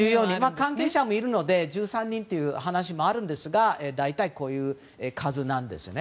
関係者もいるので１３人という話もあるんですが大体こういう数なんです。